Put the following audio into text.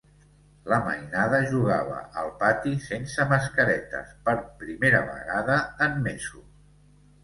La mainada jugava al pati sense mascaretes per primera vegada en mesos.